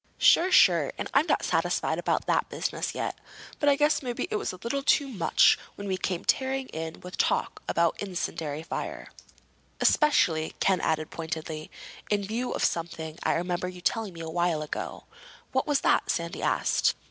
"Sure—sure. And I'm not satisfied about that business yet. But I guess maybe it was a little too much when we came tearing in with talk about an incendiary fire. Especially," Ken added pointedly, "in view of something I remember you telling me a while ago." "What was that?" Sandy asked.